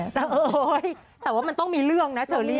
เออแต่ว่ามันต้องมีเรื่องนะเฉลี่ย